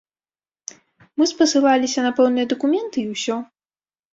Мы спасылаліся на пэўныя дакументы і ўсё.